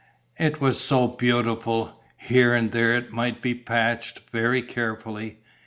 It was so beautiful; here and there it might be patched, very carefully.